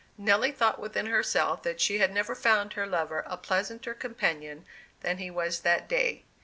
Nelly thought within herself that she had never found her lover a pleasanter companion than he was that day.